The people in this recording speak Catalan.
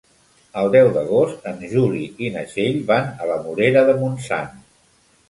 El deu d'agost en Juli i na Txell van a la Morera de Montsant.